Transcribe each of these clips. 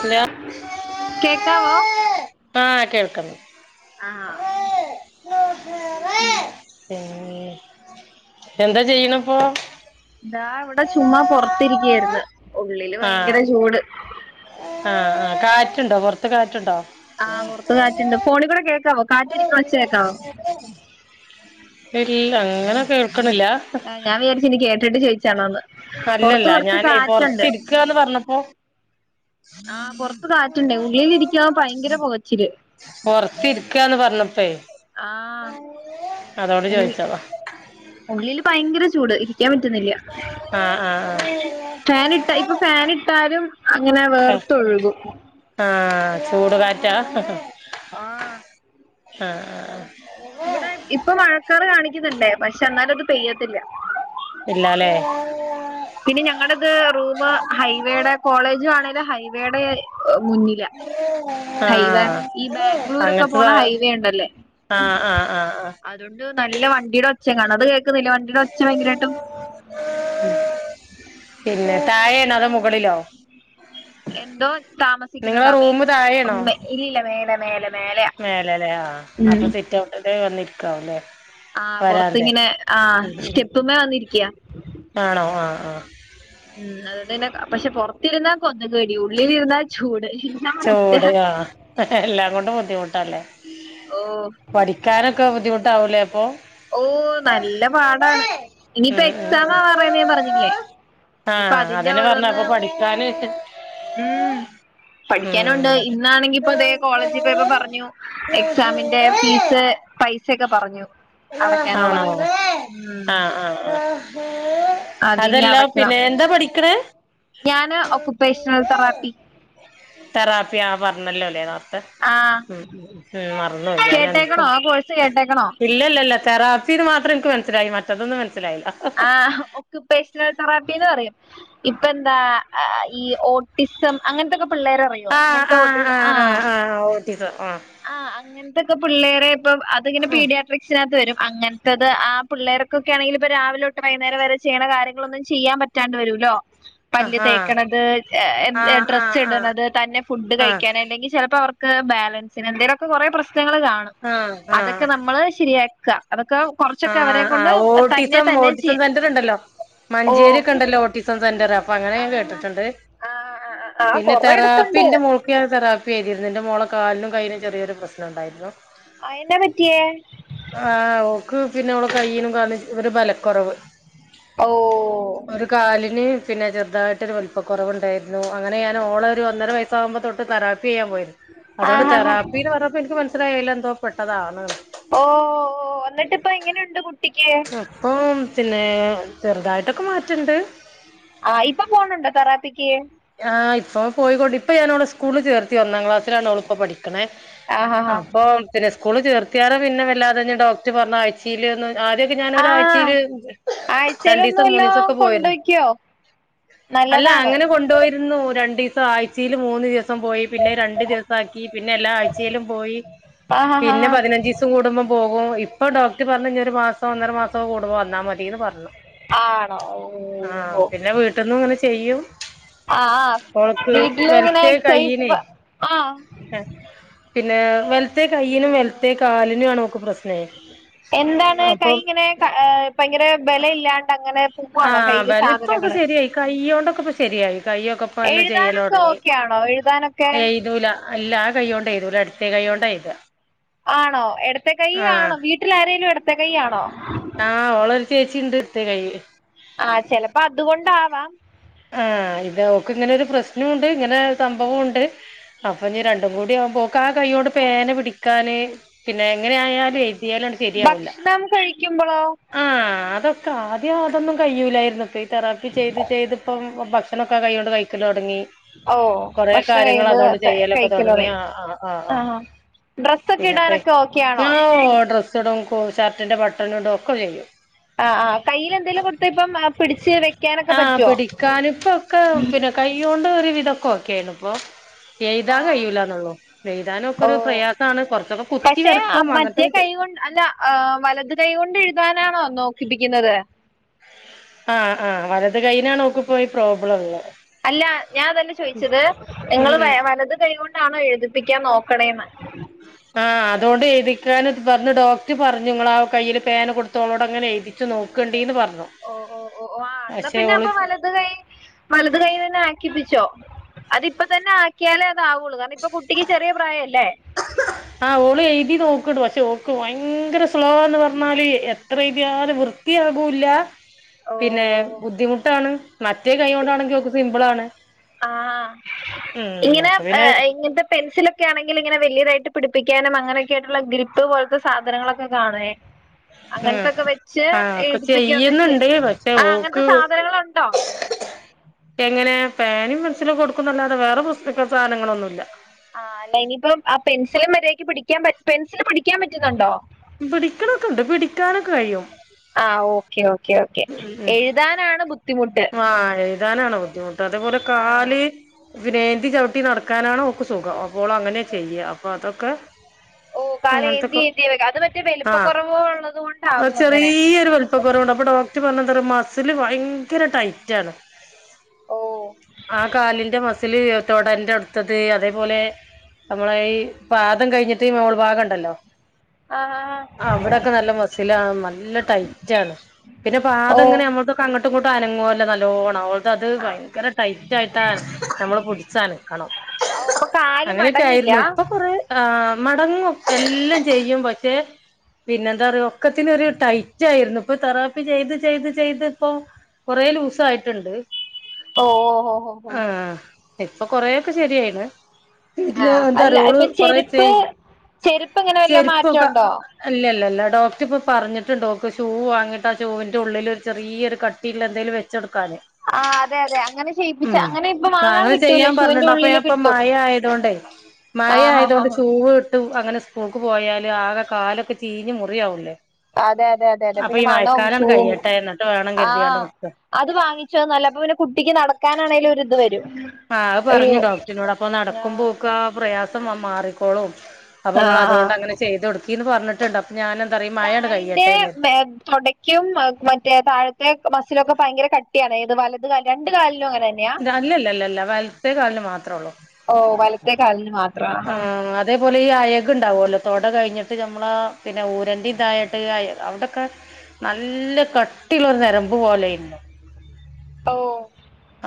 Hello കേക്കാവോ ആ കേൾക്ക്ണ്ട് ആഹ് പിന്നെ എന്താ ചെയ്യണ് പ്പോ താ ഇവ്ടെ ചുമ്മാ പൊറത്തിരിക്ക്യാര്ന്ന് ഉള്ളില് ഭയങ്കര ചൂട് ആ ആ കാറ്റുണ്ടോ പൊർത്ത് കാറ്റുണ്ടോ? ആ പൊർത്ത് കാറ്റുണ്ട് ഫോണികൂടെ കേക്കാവോ കാറ്റടിക്ക്ണ ഒച്ച കേക്കാവോ ഇല്ല അങ്ങനെ കേൾക്ക്ണില്ലാ ഞാൻ വിചാരിച്ചു ഇനി കേട്ടിട്ട് ചോയ്ച്ചാണോന്ന് അല്ലല്ല ഞാനേ പൊർത്ത് ഇര്ക്കാന്ന് പർഞ്ഞപ്പോ ആ പൊർത്ത് കാറ്റുണ്ടേയ് ഉള്ളില് രിക്ക്യാവുമ്പോ ഭയങ്കര പുകച്ചില് പൊർത്തിര്ക്കാന്ന് പർഞ്ഞപ്പേയ് ആഹ് ഉള്ളി ചോദിച്ചതാ ഉള്ളില് ഭയങ്കര ചൂട് ഇരിക്ക്യാൻ പറ്റുന്നില്ല്യ ആഹ് ആഹ് ഫാന് ഇട്ട ഇപ്പൊ ഫാന് ഇട്ടാലും അങ്ങനെ വേർത്തൊഴുകും ആ ചൂട് കാറ്റാ ആഹ് ആ ഇവിടെ ഇപ്പം മഴക്കാറ് കാണിക്ക്ന്ന്ണ്ടേ പക്ഷെ എന്നാലും അത് പെയ്യത്തില്ലാ ഇല്ലാലേ പിന്നെ ഞങ്ങെടെത് റൂമ് ഹൈവേടെ കോളേജ് ആണേലും ഹൈവേടെ മുന്നി ലാ ഹൈവേ ആഹ് ഈ ബാംഗ്ലൂരൊക്കെ അങ്ങനത്തെ പോണ സാ ഹൈവേ ഉണ്ടല്ലേ ആഹ് ആഹ് ആഹ് ആഹ് അ തുകൊണ്ട് നല്ല വണ്ടീടെ ഒച്ച കാണാ അത് കേക്ക്ന്നില്ലെ വണ്ടിടെ ഒച്ച ഭയ്ങ്കരായ്ട്ടും ഉം പിന്നെ തായേണോ അതൊ മുകളിലോ എന്തോ നിങ്ങളെ താമസിക്ക്ന്നതാേ മെ റൂമ് മെ ഇല്ലില്ല മേലെ മേലെ മേലെയാ മേലെലേ ആഹ് ഉം അപ്പ സിറ്റൗട്ട്ല് വന്നിര്ക്കാവുലേ ആഹ് പാെർത്ത് ഇങ്ങിനെ ആഹ് സ്റ്റെപ്പ്മ്മേ വന്നിരിക്ക്യാ ആണോ ആഹ് ആഹ് ഉം അതുകൊണ്ട് തന്നെ പക്ഷെ പൊർത്തിര്ന്നാ കൊത്ക് കടി ഉള്ളിലിര്ന്നാ ചൂട് എന്നാ ചൂട് അവസ്ഥയാ ആഹ് എല്ലാം കൊണ്ടും ബുദ്ധിമുട്ടാല്ലേ ഓഹ് പഠിക്കാനൊക്കെ ബുദ്ധിമുട്ടാവൂലേ അപ്പോ ഓഹ് നല്ല പാടാണ് ഇനിയിപ്പ ഉം എക്സാമാവാറായിന്ന് ഞാൻ പറഞ്ഞില്ലേ താ ഇനിയിപ്പ അതിന്റെ അതെന്നെ പർഞ്ഞെ ഓരോന്ന് അപ്പ പഠിക്കാന് ഉം പഠിക്ക്യാനുണ്ട് ഇന്നാണെങ്കി ഇപ്പാെ തേ കോളേജി പോയപ്പൊ പറഞ്ഞു എക്സാമിന്റെ ഫീസ് പെെ സെക്കെ പറഞ്ഞു ആണോ അടക്ക്യാനുള്ളത് ഉം അതിനി അതെല്ലാ അടയ്ക്കണം പിന്നെ എന്താ പഠിക്ക്ണ്? ഞാന് ഒക്കുപേഷ്ണൽ തെറാപ്പി തെറാപ്പി ആഹ് പർഞ്ഞല്ലാെലേ നേർത്തെ ആഹ് ഉം ഉം മറന്നു പോയി ഞാനെ കേട്ടേക്കണോ ആ കോഴ്സ് കേട്ടേക്കണോ ഇല്ലല്ലല്ലാ തെറാപ്പീന്ന് മാത്രം ഇൻക്ക് മൻസ്സ്ലായി മറ്റതൊന്നും മൻസ്സ്ലായില്ല ആഹ് ഒക്കുപേഷ്ണൽ തെറാപ്പീന്ന് പറയും ഇപ്പെന്താ ആഹ് ഈ ഓട്ടിസം അങ്ങൻത്തൊക്കെ പിള്ളേരെ അറി യോ അങ്ങെൻത്തെ ഓട്ടി ആഹ് ആഹ് അങ്ങെൻത്തെക്കെ പിള്ളേരെ ഇപ്പം അ ത്ങ്ങെനെ പീഡിയാട്രിക്ഷനാത്ത് വെരും അങ്ങൻത്തത് ആ പിള്ളേർക്കൊക്കെ ആണെങ്കില് ഇപ്പ രാവിലോട്ട് വൈക്ന്നേരം വെരെ ചെയ്യ്ണ കാര്യങ്ങളൊന്നും ചെയ്യാം പറ്റാണ്ട് വരൂല്ലോ പല്ല് ആഹ് ആഹ് തേക്ക്ണത് ആഹ് ഏഹ് ഡ്രസ്സ് ആഹ് ഇട്ണെത് തന്നെ ഫുഡ്ഡ് ആഹ് കഴിക്ക്യാൻ അല്ലെങ്കി ചെലപ്പാെ അവർ ക്ക്‌ ബാലൻസിന് എന്തേലാെക്കെ കാെറേ പ്രശ്നങ്ങള് കാണും ആഹ് അതൊക്കെ ആഹ് നമ്മെള് ശെരിയാക്കാ അതൊക്കെ കാെറാെച്ചൊക്കെ അവെരേ കൊണ്ട് തന്നെ ഇപ്പം തന്നെ ഓട്ടീസം ചെയ്യ സെന്റെറ്ണ്ടല്ലോ ഓ മഞ്ചേര്യൊക്കെണ്ടല്ലോ ഓട്ടീസം സെന്റെറ് അപ്പം അങ്ങെനെ ഞാൻ ആഹ് ആഹ് കേട്ട്ട്ട്ണ്ട് ആഹ് ആഹ് പിന്നെ തെറാപ്പി കൊറെടുത്തുണ്ട് ന്റെ മോൾ ക്ക് ഞാൻ തെറാപ്പി ചെയ്തിര്ന്ന് ന്റെ മോളെ കാൽനും കയ്യിനും ചെറീയൊരു പ്രശ്നണ്ടായിര്ന്നു ആഹ് എന്നാ പറ്റിയേ? ആഹ് ഓക്ക് പിന്നെ ഓളെ കയ്യിനും കാൽനും ഒര് ബലക്കാെറെവ് ഓ ഒരു കാലിന് പിന്നെ ചെർതായ്ട്ടൊരു വൽപ്പക്കാെറവ്ണ്ടായ്ര്ന്നു അങ്ങെനെ ഞാനോളെരു ഒന്നര വയ സ്സാവുമ്പം തൊട്ട് തെറാപ്പ്യെയ്യാം പോയിര് അതോണ്ട് ആഹ് ആഹ് തെറാപ്പീന്ന് പർഞ്ഞപ്പം ഇൻക്ക് മൻസ്സ്ലായി അയ്ലെന്തോ പെട്ടതാണ്ന്ന് ഓഹ് ഓഹ് ഓഹ് എന്നിട്ട് ഇപ്പ എങ്ങെനെയുണ്ട് കുട്ടിക്ക്യ്? പ്പോം പിന്നേ ചെറ്തായ്ട്ടൊക്കെ മാറ്റണ്ട് ആഹ് ഇപ്പം പോണുണ്ടാെ തെറാപ്പിക്ക്യ്? ആഹ് ഇപ്പ പോയിക്കൊണ്ട് ഇപ്പ ഞാനോളെ സ്കൂള്ൽ ചേർത്തി ഒന്നാം ക്ലാസ്‌ലാണ് ഓള്പ്പൊ പഠി കാണെ ആഹാ ഹാ അപ്പോ പിന്നെ സ്കൂള് ചേർത്തിയാടെ പിന്നെ വല്ലാതെ തന്നെ ഡോക്ടർ പറഞ്ഞ ആഴ്ചയിലൊന്ന് ആദ്യക്കെ ആ ഞാനൊരാഴ്ചയില് ആഴ്ചയിലൊന്നു രണ്ടീസം മൂന്നു വല്ലോ ദിവസം ഒക്കെ പോയിരുന്നു. കൊണ്ടോയ്ക്കോ അല്ല നല്ലതാണ് അങ്ങനെ കൊണ്ടുപോയിരുന്നു രണ്ടു ദിവസം ആഴ്ചയില് മൂന്ന് ദിവസ. സം പോയി പിന്നെ രണ്ട് ദിവസക്കി പിന്നെ എല്ലാ ആഴ്ചയിലും പോയി. ആഹാ ഹാ പിന്നെ ഹാ പതിനഞ്ച് ദി സം കൂടുമ്പോൾ പോകും ഇപ്പൊ ഡോക്ടർ പറഞ്ഞ് ഇഞ്ഞി ഒരു മാസോ ഒന്നര മാസോ കൂടുമ്പോ വന്നാ മതിന്ന് പറഞ്ഞു. ആണോ ആ ഓ പിന്നെ വീട്ടിൽന്നും ഇങ്ങനെ ചെയ്യും. ആ ആ മോൾക്ക് വീട്ടില് ഇങ്ങനെ വെല്ത്തേ എക്സസൈസ് കൈയിനെ പ ആ ആ പിന്നെ വെല്ത്തെ കൈയ്യ്ലും വെല തേ കാലിനു ആണേ ഓക്ക് പ്രശ്നേ അ വേ ഭയങ്കര ബലം ഇല്ലാണ്ട് അങ്ങനെ ആ പോവാണോ കയ്യില് വലു ഇപ്പൊക്കെ സാധനങ്ങള് ശരിയായി കയ്യോണ്ടൊക്കെ ഇപ്പ ശരിയായി. കയ്യൊക്കെ ഇപ്പ പല ചെയ്യല എഴുതാനൊക്കെ തുടങ്ങി ഓക്കെ ആണോ എഴുതാനൊക്കെ എയ്തൂല. ഇല്ല ആ കൈകൊണ്ട് എഴുതൂല എടത്തേ കൈകൊണ്ട എഴുതാ. ആണോ ഇടത്തെ കൈ ആഹ് ആണോ വീട്ടിൽ ആരേലും ഇടത്തെ കൈ ആണോ? ആ ഓള ഒരു ചേച്ചി ഇണ്ട് എടുത്തെ കൈ. ആ ചെലപ്പോ അതുകൊണ്ടാവാം. ആ ഇത് അവക്ക് ഇങ്ങനെ ഒരു പ്രശ്നമുണ്ട് ഇങ്ങനെ ഒരു സംഭവുണ്ട്. അപ്പൊ ഇഞ്ഞി രണ്ടും കൂടി ആവുമ്പോക ആ കയ്യോണ്ട് പേന പിടിക്കാന്. പിന്നെ എങ്ങനെ ആയാലും എഴുതിയാലും ഭക്ഷണം കഴിക്കുമ്പോളോ? ആ അതൊക്കെ ആദ്യം അതൊന്നും കഴിയുലായിരുന്നു ഇപ്പ ഈ തെറാപ്പി ചെയ്ത് ചെയ്ത് ഇപ്പം ഭക്ഷണക്കെ ആ കൈകൊണ്ട് കഴിക്കല് തോടങ്ങി. ഓ കൊറെ ഭക്ഷണം കാര്യങ്ങള് കഴിയുമ്പോ അതൊണ്ട് ചെയ്യലൊക്കെ തുടങ്ങിയ കഴിക്കലോടങ്ങി ആ ആ ആ ആഹ് ഡ്രസ്സൊക്കെ പിന്നെപ്പ ഇടാനൊക്കെ ഓക്കെ ആ ആണോ ഓ ഡ്രസ്സ് ഇടും ഷർട്ടിന്റെ ബട്ടൺ ഇടും ഒക്കെ ചെയ്യും. ആ ആ കയ്യിൽ എന്തേലും കൊടുത്ത ഇപ്പം പിടിച്ച് വേ ആ പിടിക്കാനിപ്പ ഒക്കെ പിന്നെ കൈ കൊണ്ട് ഒരു വിധക്കെ ഓക്കെ ആണ് ഇപ്പൊ. എഴുതാൻ ആഹ് കഴിയൂലാന്നുള്ളോ എഴുതാന ഒക്കെ ഒരു പ്രയാസമാണ് കുറച്ചൊക്കെ കുത്തി പക്ഷെ വെരക്കും മറ്റേ അങ്ങനത്തൊക്കെ കൈ ചെയ്യും. കൊണ്ട് അല്ല ആ വലത് കൈ കൊണ്ട് എഴുതാനാണോ നോക്കിപ്പിക്കുന്നത്. ആഹ് ആ വലത് കൈനാണ് ഓക്ക് പ്പോ ഈ പ്രോബ്ലം ഉള്ളത്. അല്ല ഞാൻ അതല്ലെ ചോദിച്ചത് ഉം നിങ്ങള് ഉം വലത് കൈ കൊണ്ടാണോ എഴുതിപ്പിക്കാൻ നോക്കണേന്ന്. ആഹ അതുകൊണ്ട് എഴുതിക്കാൻ പറഞ്ഞ് ഡോക്ടർ പറഞ്ഞുങ്ങള ആ കയ്യില് പേന കൊടു ത്തോട് അങ്ങനെ എഴുതിച്ച് നോക്കണ്ടിന്ന് പറഞ്ഞു. ഓ ഓ ഓ ഓ ആ അന്നാ പക്ഷെ പിന്നെ ഓള് അപ്പൊ വലത് കൈ വലത് കൈ തന്നെ ആക്കിപ്പിച്ചോ. അതിപ്പ തന്നെ ആക്കിയാലേ അതാവുള്ളൂ കാരണം ഇപ്പൊ കുട്ടിക്ക് ചെറിയ പ്രായം അല്ലേ. ആഓള് എഴുതി നോക്ണ്ട് പക്ഷേ ഓക്ക് ഭയങ്കര സ്ലോന്ന് പറഞ്ഞാല് എത്ര എഴുതിയാല് വൃ ആകൂല്ല. ഓ പിന്നെ ബുദ്ധിമുട്ടാണ് മറ്റേ കൈ കൊണ്ടാണെങ്കിൽ ഓക് സിമ്പിൾ ആണ്. ആ ഇങ്ങനെ പിന്നെ ഇങ്ങന് ത്തെ പെൻസില്. ക്കെ ആണെങ്കിൽ ഇങ്ങനെ വല്യതായിട്ട് പിടിപ്പിക്കാനും അങ്ങനെയക്കെയായിട്ടുള്ള ഗ്രിപ്പ് പോലത്തെ സാധനങ്ങളൊക്കെ കാണേ. ഉം അങ്ങനത്തൊക്കെ വെച്ച് ആഹ് ഒക്കെ എഴുതിപ്പിക്കൊക്കെ ചെയ, ചെയ്യുന്നുണ്ട് പക്ഷെ ആ അങ്ങനത്തെ ഓക്ക് സാധനങ്ങളുണ്ടോ? എങ്ങനെ പേനിം പെൻസിലും കൊടുക്കുന്നല്ലാതെ വേറെ പുസ്തക്ക സാധനങ്ങളൊന്നുല്ല. ആഹ അല്ല ഇനിയിപ്പം ആ പെൻസില് മര്യാദക്ക് പിടിക്കാൻ, പെൻസൽ പിടിക്കാൻ പറ്റുന്നുണ്ടോ? പിടിക്ണൊക്കെണ്ട് പിടിക്കാനൊക്കെ കഴിയും. ആ ഓക്കെ ഓക്കെ ഓക്കെ എഴുതാനാണ് ബുദ്ധിമുട്ട്. ആഹ എഴുതാനാണ് ബുദ്ധിമുട്ട് അതേപോലെ ആ കാല്. ഇവനേന്തി ചവിട്ടി നടക്കാനാണ് ഓക്ക് സുഖം അപ്പോൾ അങ്ങനെ ചെയ്യ അപ്പൊ അതൊക്കെ. ഓ കാല് അങ്ങനത്തൊക്കെ ഏന്തിഏന്തിയാ അത് പറ്റേ വലുപ്പ ആഹ് കുറവ് ഉള്ളതോണ്ടാവും അങ്ങനെ. ഇപ്പൊ കുറ അപ്പൊ ഡോക്ടർ പറഞ്ഞ മസില് ഭയങ്കര ടൈറ്റ് ആണ്. ഓ ആ കാലിന്റെ മസില് തൊടന്റെ അവ്ട് ത്തത് അതേപോലെ നമ്മള ഈ പാദം കഴിഞ്ഞിട്ട് മോൾ ഭാഗംണ്ടല്ലോ. ആ ആ ആ. അവിടൊക്കെ നല്ല മസീലാണ് നല്ല ടൈറ്റാണ്. പിന്നെ പാത ഓ ഇങ്ങനെ നമകൊക്കെ അങ്ങട്ടും ഇങ്ങോട്ടുംഅനങ്ങു ല്ലോ നല്ലോണം. അ അത് ആ ഭയങ്കര ടൈറ്റായിട്ടാ നമ്മള് പുടിച്ചനക്കണം. ഓ അപ്പൊ കാല് അങ്ങനെയൊക്കെ മടങ്ങില്ല ആയിരുന്നു ഇപ്പൊ ഫുൾ മടങ്ങും എല്ലാം ചെയ്യും പക്ഷെ. പിന്നെ എന്താ പറയ ഒക്കത്തിനൊരു ടൈറ്റ് ആയിരുന്നു ഇപ്പൊ തെറാപ്പി ചെയ്ത് ചെയ്ത് ചെയ്ത് ഇപ്പൊ. കൊറേ ലുസായിട്ടുണ്ട്. ഓ ഓ ഓ ഓ ഓ. ഇപ്പൊ കൊറെക്കെ ശെരിയായിണ്. ആ പിന്നെ അല്ല എന്താറിയോ ഓള് ഇപ്പൊ കൊറ ച ചെരുപ്പ് ചെരുപ്പ് ഇങ്ങനെ വല്ല ചെരുപ്പൊക്കെ. മാറ്റമുണ്ടോ അല്ലല്ല അല്ല ഡോക്ടർ ഇപ്പൊ പറഞ്ഞിട്ടു ഓള്ക് ഷൂ വാങ്ങിട്ട് ആ ചൂവിന്റെ ഉള്ളിൽ ഒരു ചെറ്യ കട്ട്. ട്ടിള്ളഎന്തേലും വെച്ചൊടുക്കാന്. ആ അതെ അതെ അങ്ങനെ ചെയ്യിപ്പിച്ച ഉം അങ്ങനെ ഇപ്പൊ വാങ്ങാൻ നാളെ കിട്ടൂല ചെയ്യാൻ ഷൂവിന്റെ പറഞ്ഞിട് അപ്പൊ ഞാൻ ഉള്ളില് ഇപ്പ കിട്ടും മഴ ആയതോണ്ടേ. മഴ ആ ഹാ ഹാ ആയതോണ്ട് ഹാ ഷൂവ് ഇട്ട് അങ്ങനെ സ്കൂൾക്ക് പോയാല് ആകെ കാലൊക്കെ ചീഞ്ഞ് മുറിയാവൂലേ അതെ അതെ അതെ അതെ അപ്പൊ പിന്നെ ഈ മണം മഴക്കാലാണ് ഷൂവും കയ്യട്ടെ എന്നിട്ട് വേണം കരുതിയാണ്ട് ആഹ് നിക്ക അത് വാങ്ങിച്ചോന്നല്ല അപ്പൊ പിന്നെ കുട്ടിക്ക് നടക്കാനാണെങ്കലും ഒരിത് വരും. ആഹ് അത് ഒരു പറഞ്ഞു ഡോക്ടറിനോട് അപ്പൊ ആ നടക്കുമ്പോ ഓൾക്ക് ആ പ്രയാസം മാറിക്കോളും. ആ അപ്പൊങ്ങൾ ആ അതൊണ്ട് അങ്ങനെ ചെയതൊടുക്കീന്ന് പറഞ്ഞിട്ടുണ്ട് അപ്പ ഞാൻ എന്ത പറ. കാലിന്റെ ബേക് പ്രോട ക്യു മറ്റേ താഴത്തെ മസിലൊക്കെ ഭയങ്കര കട്ടിയാണ് ഏത് വലത് കാല് രണ്ട് കാലിലും അങ്ങനെ. തന്നെയാ അല്ലല്ല അല്ലല്ല വൽത്തെ കാലിന്ന് മാത്രേള്ളൂ. ഓ വലത്തെ കാലിന് മാത്രം. ആഹ് അതേപോലെ ഈ അയക് ഉണ്ടാവുല്ലോ തൊട കഴിഞ്ഞിട്ട് നമ്മളെ പിന്നെ ഊരന്റെ ഇതായിട്ട് അയ അവിടൊക്കെ. നല്ല കട്ടിള്ളൊരു നരമ്പ് പോലെ ഏയ്ന്നു. ഓ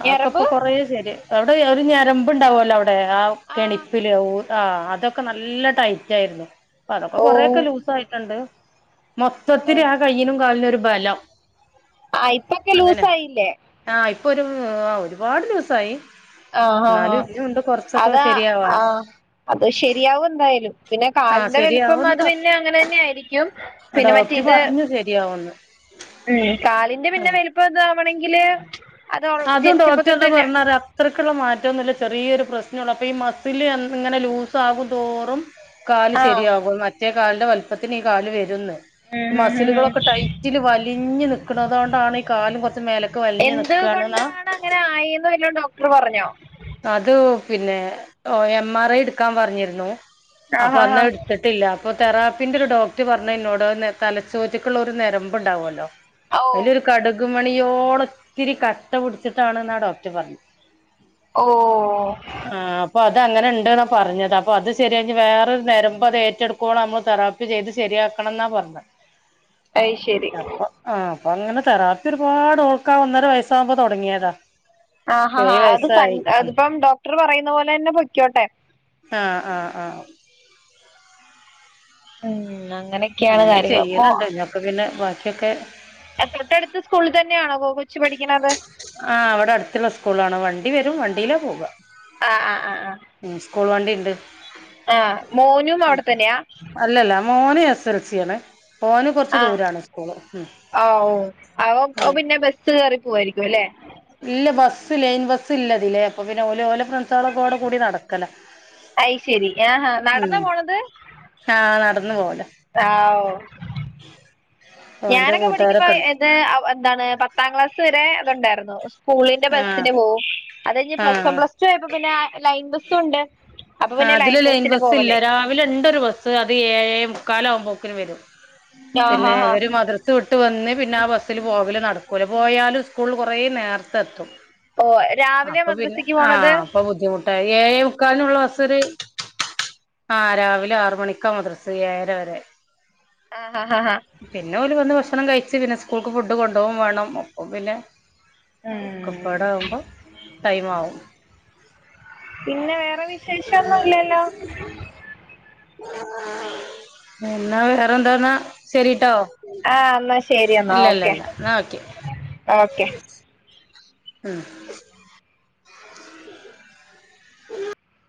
അവൊക്കെ ഇപ്പൊ ഞരമ്പ് കൊറേ ശരിയാ അവിടെ ഒരു ഞരമ്പ് ണ്ടാവൊല്ലോ അവിടെ ആ ആഹ് കെണിപ്പ് പ്പില് ആ അതൊക്കെ നല്ല ടൈറ്റായിരുന്നു ഇപ്പതൊക്കെ അതൊക്കെ ഓ കൊറേയൊക്കെ ലൂസായിട്ടുണ്ട്. ഓ മൊത്തത്തില് ആ കയ്യിനും കാലിനൊരു ബലം ആ ഇപ്പൊക്കെ ലൂസായില്ലേ ആഹ് ഇപ്പൊ ഒരു ഒരുപാട് ലൂസായി. ആഹ് ആഹ് ഇന്നാലും ആഹ് ഇഞ്ഞുണ്ട് കൊറച്ചൊക്കെ അതാ ശരിയാവാന് അത് ശരിയാവും എന്തായാലും പിന്നെ ആ കാലിന്റെ വലുപ്പം അത് ശരിയാവുന്ന് പിന്നെ അങ്ങനെ തന്നെ ആയിരിക്കും പിന്നെ മറ്റേ ഡോക്ടർ ഇത് പറഞ്ഞു ശരിയാവുന്ന് ഉം കാലിന്റെ പിന്നെ വല് പ്പതാവണെങ്കില്, അതും ഡോക്ടർ എന്താ പറഞ്ഞറിയോ അത്രക്കുള്ള മാറ്റൊന്നുല്ല ചെറിയൊരു പ്രശ്നൊള്ളൂ അപ്പൊ ഈ മസ്സില് ഇങ്ങനെ ലൂസ് ആകും തോറും കാല് ആഹ് ശരിയാകും മറ്റേ കാലിന്റെ വലുപ്പത്തിന് ഈ കാല് വരുംന്ന് ഉം ഉം ഉം മസിലുകളൊക്കെ ടൈറ്റില് വലിഞ്ഞ് നിക്ക്ണതോണ്ടാണ് ഈ കാലും കൊറച്ച് മേലക്ക് വലിഞ്ഞ് നിക്കു തുകൊണ്ടാണ് അങ്ങനെ ആയിന്ന് വല്ലോം ഡോക്ടർ പറഞ്ഞോ? അത് പിന്നെ ഒ എം ആർ ഐ എടുക്കാൻ പറഞ്ഞിരുന്നു അപ്പൊ ആഹാ ഹാ അന്നെട്ത്ത് ട്ടില്ല അപ്പൊ തെറാപ്പിന്റൊരു ഡോക്ട് പറഞ്ഞ് എന്നോട് നെ തലച്ചോറ്റ്ക്കുള്ള ഒരു നരമ്പ്ണ്ടാവല്ലോ ഓ അയിലൊരു കടുക്മണിയോളം ത്തിരി കട്ട പിടിച്ചിട്ടാണ്ന്നാ ഡോക്ട് പറഞ്ഞെ. ഓഹ് ആഹ് അപ്പൊ അത ങ്ങനെണ്ട്ന്നാ പറഞ്ഞത്. അപ്പൊ അത് ശെരിയാക്കി വേറൊരു നെരമ്പ് അതേറ്റെടു ക്കോളം നമ്മള് തെറാപ്പി ചെയ്ത് ശരിയാക്കണം ന്നാ പറഞ്ഞത്. അത് ശരി അപ്പ ആഹ് അപ്പങ്ങനെ തെറാപ്പി ഒരുപാട് ഓൾക്കാ ഒന്നര വയസ്സാകുമ്പോ തൊടങ്ങിയതാ. ആഹ് ഹാ അത് പൺ അതിപ്പം ഡോക്ടർ പറയുന്ന പോലെന്നെ പൊയ്ക്കോട്ടെ ആഹ് ആഹ് ആഹ് ഉം അങ്ങനെക്കെയാണ് കാര്യങ്ങൾ മോ പ്പ പിന്നെ ബാക്കിയൊക്കെ അ തൊട്ടടുത്ത സ്കൂളിൽ തന്നെയാണോ കൊ കൊച്ച് പഠിക്കണത്? ആഹ് അവിടടുത്തുള്ള സ്കൂളാണ് വണ്ടി വരും വണ്ടിയിലാ പോവ ആഹ് ആഹ് ആഹ് ആഹ് ഉം സ്കൂൾ വണ്ടിണ്ട് ആഹ് മോനും അവിടെത്തന്നെയാ? അല്ലല്ല മോന് എസ് എൽ സി ആണ്. ഓന് കൊറച്ച് ആഹ് ദൂരാണ് സ്കൂള് ഉം അ ഓ അവൻ പിന്നെ ബസ് കേറി പോവായിരിക്കു അല്ലേ? ഇല്ല ബസ്സ് ലെയിൻ ബസ് ല്ല തിലെ അപ്പ പിന്നെ ഓല് ഓലെ ഫ്ര [unintelligible] കൂടെ കൂടി നടക്കല അത് ശരി ആഹാ ഉം നടന്നാ പോണത് ആഹ് നടന്നു പോവലാ. ആഹ് ഓ ഓന്റെ ഞാനൊക്കെ പഠിക്കുമ്പോ കൂട്ടുകാരൊക്കെ ഉണ്ട് ഏ തെ അ എന്താണ് പത്താം ക്ലാസ് വരെ അതുണ്ടായിരുന്നു. സ്കൂളിന്റെ ആഹ് ബസ്സിന് പോവും അത് കഴിഞ്ഞ് പ്ലസ് വൺ ആഹ് പ്ലസ് ടു ആയപ്പോ പിന്നെ ലൈൻ ബസ്സു ണ്ട്. ആ തിലെ ലൈൻ ബസ് ല്ല രാവിലെ ഇണ്ടൊരു ബസ്സ് അത് ഏഴേ മുക്കാലാകുമ്പൊക്കിന് വരും. ആ പിന്നെ ഹാ ഹാ ഇവര് മദ്റ സ് വിട്ട് വന്ന് പിന്നെ ആ ബസ്സിൽ പോവല് നടക്കൂല പോയാലും സ്കൂള് കൊറേ നേർത്തെത്തും. ഓ രാവിലെ അപ്പൊ പിന്നെ മദ്രസക്ക് പോണത് ആഹ് അപ്പൊ ബുദ്ധിമുട്ടായി. ഏഴേ മുക്കാൽനുള്ള ബസ്സൊര് ആഹ് രാവിലെ ആറ് മണിക്കാ മദ്രസ് ഏഴര വരെ. ആഹ ഹഹാ പിന്നോല് വന്ന് ഭക്ഷണം കഴിച്ച് പിന്നെ സ്കൂൾക്ക് ഫുഡ് കൊണ്ടോവും വേണം അപ്പം പിന്നെ ഉം അഒക്കപ്പാടാവുമ്പോ ടൈമാവും പിന്നെ വേറെ വിശേഷൊന്നും ഇല്ലല്ലോ? അ എന്നാ വേറെന്തൊന്നാ? ശരിട്ടോ. ആഹ് ന്നാ ശരി എന്നാ ഇല്ല ഇല്ല ഓക്കെ ഇല്ല എന്നാ ഓക്കെ ഓക്കെ ഉം ഉ